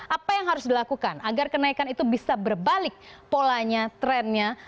apa yang harus dilakukan agar kenaikan itu bisa berbalik polanya trennya